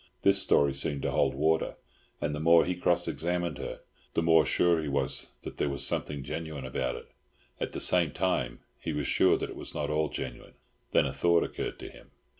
This story seemed to hold water, and the more he cross examined her the more sure he was that there was something genuine about it; at the same time, he was sure that it was not all genuine. Then a thought occurred to him.